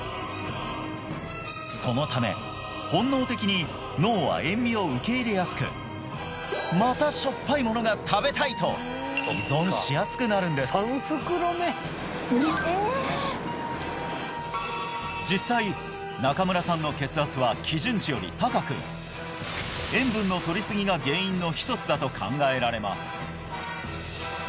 そのため本能的に脳は塩味を受け入れやすくまたと依存しやすくなるんです実際中村さんの血圧は基準値より高く塩分のとりすぎが原因の一つだと考えられます